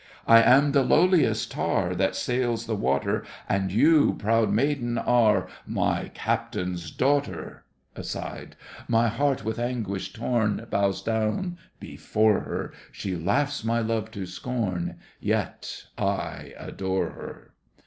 I am the lowliest tar That sails the water, And you, proud maiden, are My captain's daughter! (Aside.) My heart with anguish torn Bows down before her, She laughs my love to scorn, Yet I adore her!